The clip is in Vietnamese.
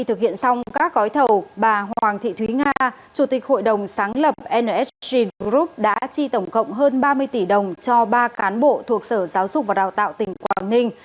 thực hiện xong các gói thầu bà hoàng thị thúy nga chủ tịch hội đồng sáng lập nsg group đã chi tổng cộng hơn ba mươi tỷ đồng cho ba cán bộ thuộc sở giáo dục và đào tạo tỉnh quảng ninh